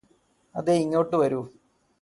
അതെ ഇങ്ങോട്ട് വരൂ